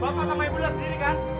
bapak sama ibu lihat sendiri kan